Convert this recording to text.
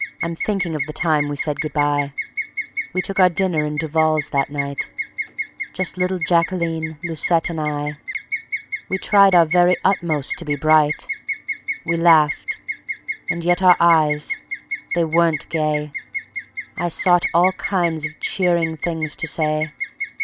.)..... I'm thinking of the time we said good by: We took our dinner in Duval's that night, Just little Jacqueline, Lucette and I; We tried our very utmost to be bright. We laughed. And yet our eyes, they weren't gay. I sought all kinds of cheering things to say.